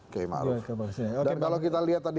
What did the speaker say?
kay ma'ruf dan kalau kita lihat tadi